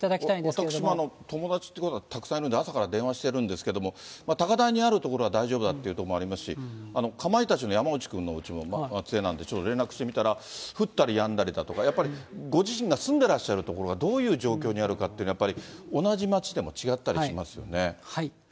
私も友達がたくさんいるんで、朝から電話してるんですけれども、高台にある所は大丈夫だっていう所もありますし、かまいたちの山内君のおうちも松江なんで、ちょっと連絡してみたら、降ったりやんだりだとか、やっぱりご自身が住んでらっしゃる所がどういう状況にあるかっていうのはやっぱり同じ町でも違ったりしますよね。